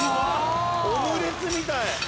オムレツみたい！